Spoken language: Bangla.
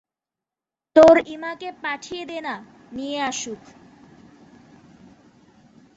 তোর ইমাকে পাঠিয়ে দে না, নিয়ে আসুক।